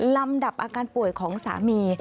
ลำดับอาการป่วยของสามี